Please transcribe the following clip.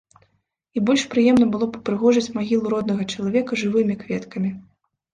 І больш прыемна было б упрыгожыць магілу роднага чалавека жывымі кветкамі.